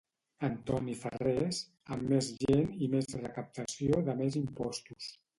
Antoni Farrés, amb més gent i més recaptació de més impostos